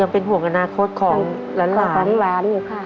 เพราะว่า